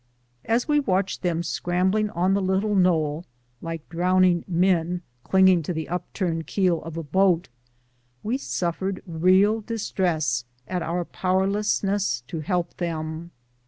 As we watched them scram bling on the little knoll, like drowning men clinging to the upturned keel of a boat, we suffered real dis tress at our powerlessness to help them.